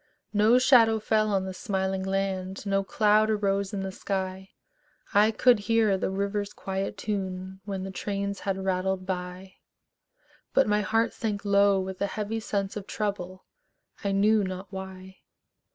No shadow fell on the smiling land, No cloud arose in the sky; I could hear the river's quiet tune When the trains had rattled by; But my heart sank low with a heavy sense Of trouble, I knew not why.